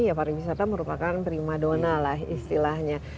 ya pariwisata merupakan prima donna lah istilahnya